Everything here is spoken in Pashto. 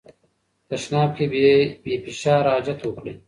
تشناب کې بې فشار حاجت وکړئ.